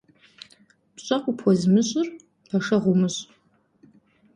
Пщӏэ къыпхуэзымыщӏыр пэшэгъу умыщӏ.